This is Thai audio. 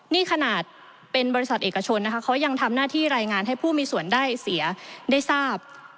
นี่ขนาดเป็นบริษัทเอกชนนะคะเขายังทำหน้าที่รายงานให้ผู้มีส่วนได้เสียได้ทราบ